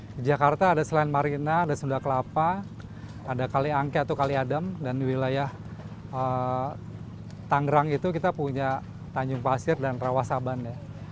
di jakarta ada selain marina ada sunda kelapa ada kali angke atau kali adem dan di wilayah tanggrang itu kita punya tanjung pasir dan rawah saban